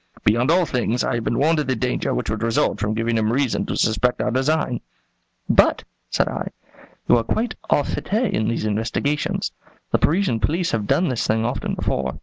Beyond all things, I have been warned of the danger which would result from giving him reason to suspect our design." "But," said I, "you are quite au fait in these investigations. The Parisian police have done this thing often before."